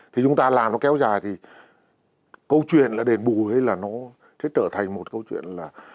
thì chúng ta làm nó kéo dài thì câu chuyện là đền bù ấy là nó sẽ trở thành một câu chuyện là